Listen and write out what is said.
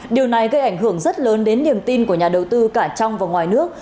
điều này gây ảnh hưởng rất lớn đến niềm tin của nhà đầu tư cả trong và ngoài nước